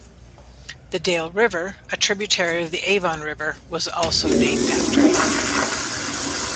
The Dale River, a tributary of the Avon River, was also named after him.